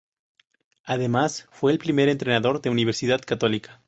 Además fue el primer entrenador de Universidad Católica.